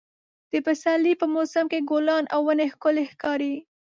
د پسرلي په موسم کې ګلان او ونې ښکلې ښکاري.